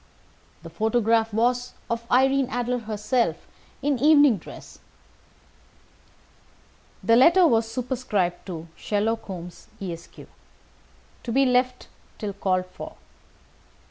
The photograph was of Irene Adler herself in evening dress, the letter was superscribed to "Sherlock Holmes, Esq. To be left till called for."